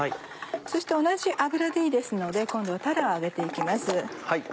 そして同じ油でいいですので今度はたらを揚げて行きます。